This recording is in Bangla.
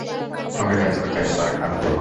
সঙ্গে ঘায়েল হবেন হাইজেনবার্গ আর বোরও।